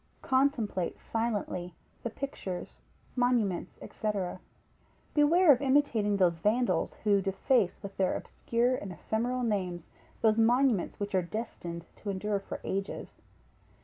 Contemplate silently the pictures, monuments, &c. beware of imitating those vandals, who deface with their obscure and ephemeral names those monuments which are destined to endure for ages.